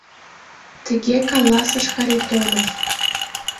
Тыге каласыш Харитонов!